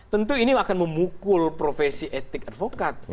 tentu ini akan memukul profesi etik advokat